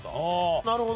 なるほど。